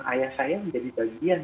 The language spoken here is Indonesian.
ayah saya menjadi bagian